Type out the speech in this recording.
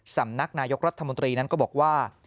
สำนักนายกรัฐมนตรีนั้นก็บอกว่า